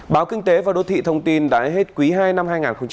báo kinh tế và đô thị thông tin đã hết quý hai năm hai nghìn hai mươi hai